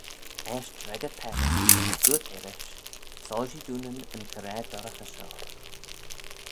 Eisht dreggyr Peddyr, as dooyrt Eh rish, Soilshee dooinyn yn coraa-dorraghey shoh.